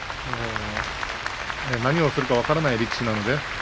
何をするか分からない力士なんでね